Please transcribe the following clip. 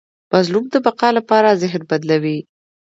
مظلوم د بقا لپاره ذهن بدلوي.